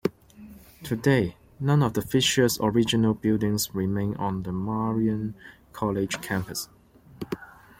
Today none of Fisher's original buildings remain on the Marian College campus.